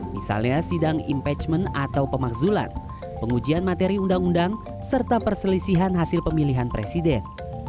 misalnya sidang impeachment atau pemakzulan pengujian materi undang undang serta perselisihan hasil pemilihan presiden